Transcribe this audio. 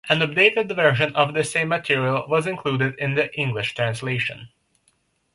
An updated version of the same material was included in the English translation.